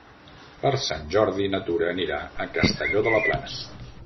Per Sant Jordi na Tura anirà a Castelló de la Plana.